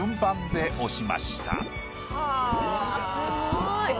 すごい。